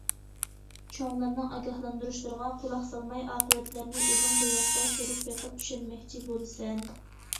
چوڭلارنىڭ ئاگاھلاندۇرۇشلىرىغا قۇلاق سالماي، ئاقىۋەتلەرنى ئۆزۈڭ بىۋاسىتە كۆرۈپ بېقىپ چۈشەنمەكچى بولىسەن.